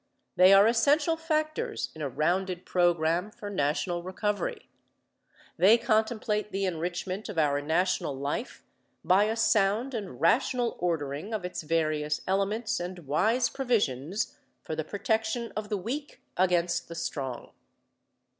They are essential factors in a rounded program for national recovery. They contemplate the enrichment of our national life by a sound and rational ordering of its various elements and wise provisions for the protection of the weak against the strong.